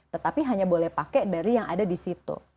tetapi hanya boleh pakai dari yang ada di situ